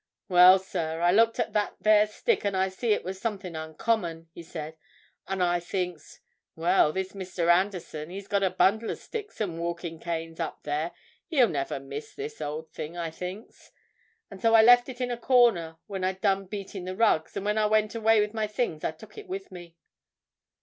"Well, sir, I looked at that there stick and I see it was something uncommon," he answered. "And I thinks—'Well, this Mr. Anderson, he's got a bundle of sticks and walking canes up there—he'll never miss this old thing,' I thinks. And so I left it in a corner when I'd done beating the rugs, and when I went away with my things I took it with me."